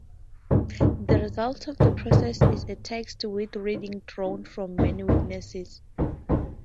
The result of the process is a text with readings drawn from many witnesses.